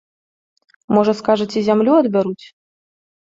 Можа, скажаце, зямлю адбяруць?